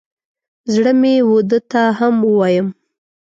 زړه مې و ده ته هم ووایم.